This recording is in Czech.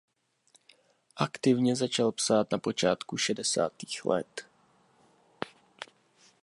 Aktivně začal psát na počátku šedesátých let.